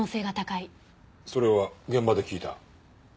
それは現場で聞いた。